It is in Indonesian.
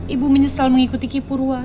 ibu menyesal mengikuti kipur uak